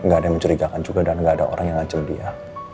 gak ada yang mencurigakan juga dan nggak ada orang yang ngacil dia